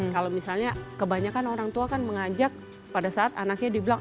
kalau misalnya kebanyakan orang tua kan mengajak pada saat anaknya dibilang